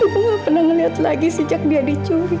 ibu nggak pernah ngelihat lagi sejak dia diculik